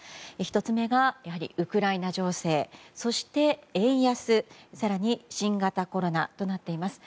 １つ目がやはりウクライナ情勢そして円安更に新型コロナとなっています。